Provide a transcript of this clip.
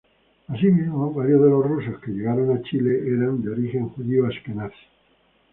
Asimismo, varios de los rusos que llegaron a Chile eran de origen judío asquenazí.